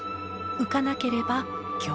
浮かなければ凶。